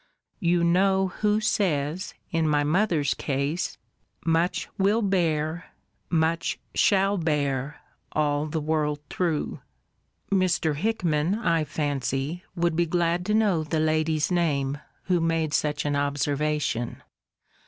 You know who says in my mother's case, 'Much will bear, much shall bear, all the world through.'* Mr. Hickman, I fancy, would be glad to know the lady's name, who made such an observation.